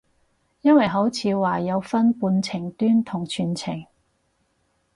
因為好似話有分半程蹲同全程